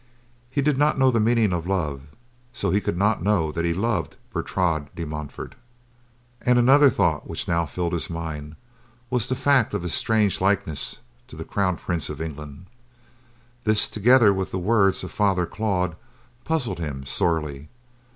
He did not know the meaning of love, and so he could not know that he loved Bertrade de Montfort. And another thought which now filled his mind was the fact of his strange likeness to the Crown Prince of England. This, together with the words of Father Claude, puzzled him sorely.